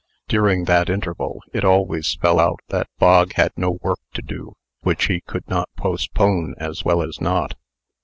During that interval, it always fell out that Bog had no work to do which he could not postpone as well as not.